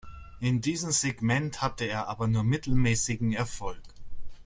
In diesem Segment hatte er aber nur mittelmäßigen Erfolg.